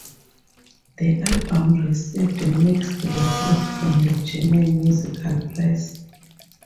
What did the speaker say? The album received mixed reviews from the German musical press.